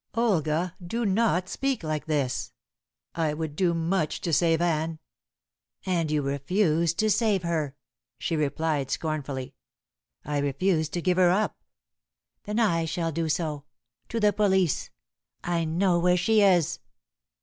"Olga, do not speak like this. I would do much to save Anne " "And you refuse to save her," she replied scornfully. "I refuse to give her up!" "Then I shall do so to the police. I know where she is."